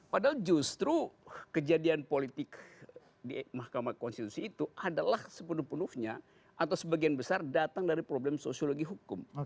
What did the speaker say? padahal justru kejadian politik di mahkamah konstitusi itu adalah sepenuh penuhnya atau sebagian besar datang dari problem sosiologi hukum